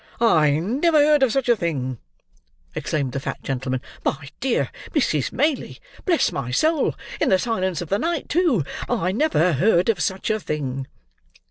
"I never heard of such a thing!" exclaimed the fat gentleman. "My dear Mrs. Maylie—bless my soul—in the silence of the night, too—I never heard of such a thing!"